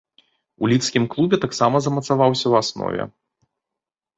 У лідскім клубе таксама замацаваўся ў аснове.